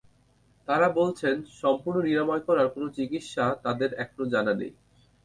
তাঁরা বলছেন, সম্পূর্ণ নিরাময় করার কোনো চিকিৎসা তাঁদের এখনো জানা নেই।